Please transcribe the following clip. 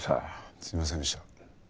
すいませんでした。